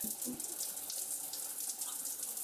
Grace ni mweupe.